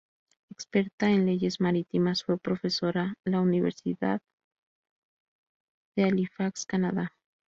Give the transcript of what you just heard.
Experta en leyes marítimas fue profesora la Universidad de Halifax, Canadá.